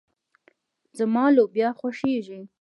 زما لوبيا خوښيږي.